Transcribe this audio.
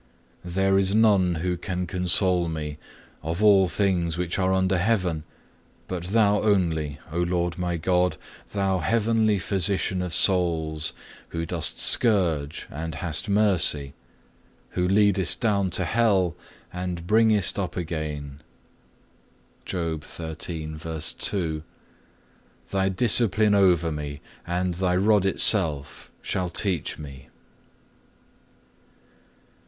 There is none who can console me, of all things which are under heaven, but Thou only, O Lord my God, Thou heavenly Physician of souls, who dost scourge and hast mercy, who leadest down to hell and bringest up again.(5) Thy discipline over me, and Thy rod itself shall teach me.